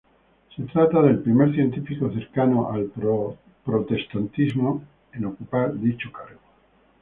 Se trata del primer científico cercano al Protestantismo en ocupar dicho cargo.